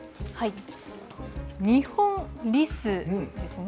ニホンリスですね。